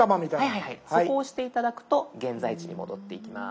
そこを押して頂くと現在地に戻っていきます。